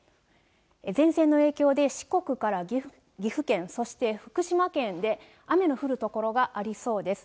前線の影響で、四国から岐阜県、そして福島県で雨の降る所がありそうです。